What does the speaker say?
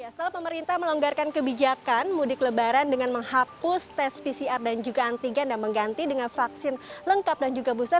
setelah pemerintah melonggarkan kebijakan mudik lebaran dengan menghapus tes pcr dan juga antigen dan mengganti dengan vaksin lengkap dan juga booster